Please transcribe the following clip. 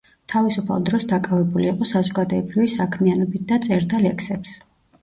თავისუფალ დროს დაკავებული იყო საზოგადოებრივი საქმიანობით და წერდა ლექსებს.